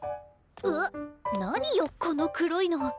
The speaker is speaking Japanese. うわっ何よこの黒いの。